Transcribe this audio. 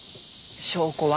証拠は？